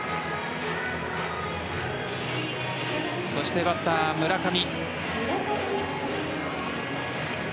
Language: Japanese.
そしてバッター・村上。